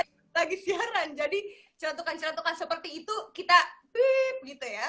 ini lagi siaran jadi cerantukan cerantukan seperti itu kita flip gitu ya